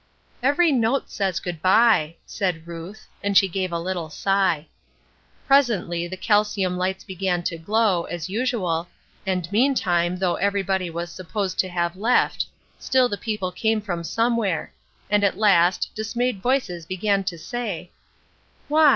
"Every note says 'goodbye,'" said Ruth, and she gave a little sigh. Presently, the calcium lights began to glow, as usual, and meantime though everybody was supposed to have left; still, the people came from somewhere; and at last, dismayed voices began to say: "Why!